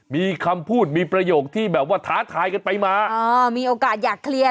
มีคำพูดมีประโยคที่แบบว่าท้าทายกันไปมาอ๋อมีโอกาสอยากเคลียร์